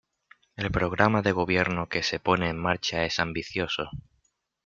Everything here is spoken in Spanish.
El programa de gobierno que se pone en marcha es ambicioso.